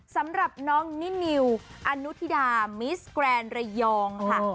สำหรับน้องนินิวอนุทิดามิสแกรนดระยองค่ะ